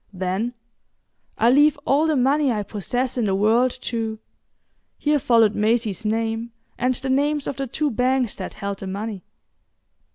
Then: "I leave all the money I possess in the world to'—here followed Maisie's name, and the names of the two banks that held the money.